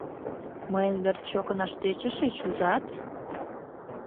Мыйын верч чокынаш тӧчышыч, ужат?